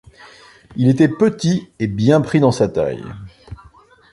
Il était petit et bien pris dans sa taille.